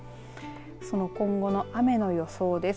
その今後の雨の予想です。